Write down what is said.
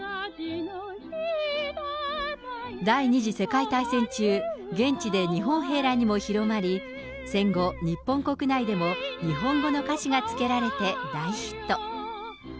第２次世界大戦中、現地で日本兵らにも広まり、戦後、日本国内でも、日本語の歌詞がつけられて大ヒット。